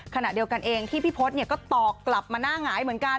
ขณะเดียวกันเองที่พี่พศก็ตอบกลับมาหน้าหงายเหมือนกัน